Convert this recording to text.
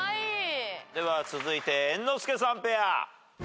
では続いて猿之助さんペア。